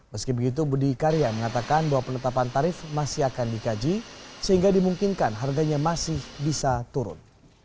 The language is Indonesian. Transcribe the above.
meski begitu budi karya mengatakan bahwa penetapan tarif masih akan dikaji sehingga dimungkinkan harganya masih bisa turun